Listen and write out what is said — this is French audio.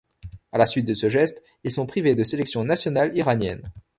À la suite de ce geste, ils sont privés de sélection nationale iranienne.